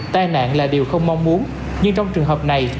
tai nạn là điều không mong muốn nhưng trong trường hợp này